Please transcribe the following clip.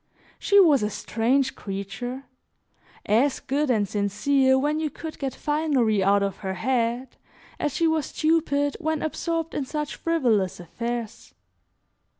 She was a strange creature, as good and sincere, when you could get finery out of her head, as she was stupid when absorbed in such frivolous affairs.